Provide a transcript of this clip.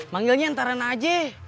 manggilnya antara najih